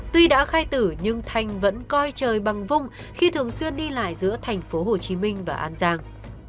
tuy đã khai tử nhưng thành vẫn coi trời bằng vung khi thường xuyên đi lại giữa thành phố hồ chí minh và an giang